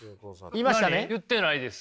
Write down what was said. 言ってないです。